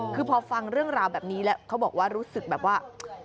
คือพอฟังเรื่องราวแบบนี้แล้วเขาบอกว่ารู้สึกแบบว่า